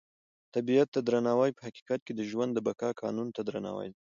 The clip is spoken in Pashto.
طبیعت ته درناوی په حقیقت کې د ژوند د بقا قانون ته درناوی دی.